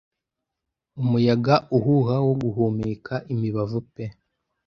Umuyaga uhuha wo guhumeka imibavu pe